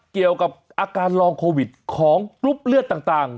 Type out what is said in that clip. เกี่ยวกับอาการลองโควิดของกรุ๊ปเลือดต่าง